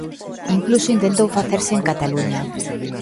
Incluso intentou facerse en Cataluña.